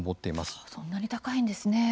そんなに高いんですね。